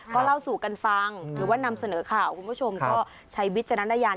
ก็เล่าสู่กันฟังหรือว่านำเสนอข่าวคุณผู้ชมก็ใช้วิจารณญาณ